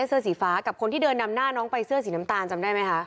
เสื้อสีฟ้ากับคนที่เดินนำหน้าน้องไปเสื้อสีน้ำตาลจำได้ไหมคะ